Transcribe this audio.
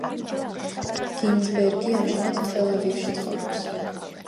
გინზბერგი ამჟამად თელ-ავივში ცხოვრობს.